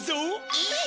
えっ！？